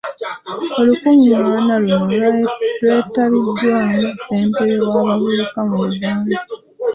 Olukungaana luno lwetabiddwamu Ssentebe w'abavubuka mu Buganda.